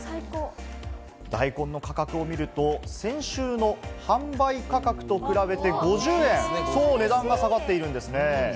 大根の価格を見ると、先週の販売価格と比べて５０円、そう、値段が下がっているんですね。